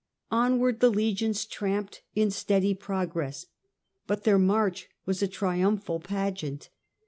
Onward the legions tramped in steady progress, but their march was a triumphal pageant.